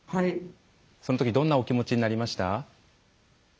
そのときどんなお気持ちになりました？